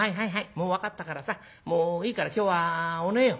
もう分かったからさもういいから今日はお寝よ。